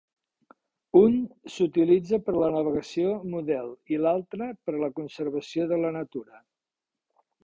Un s'utilitza per a la navegació model i l'altre per a la conservació de la natura.